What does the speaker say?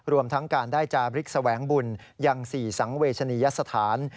รวมทั้งการได้จาบริกแสวงบุญยัง๔สังเวชนียสถาน